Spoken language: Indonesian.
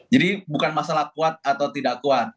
jadi bukan masalah kuat atau tidak kuat